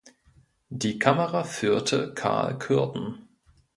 Die Kamera führte Karl Kürten.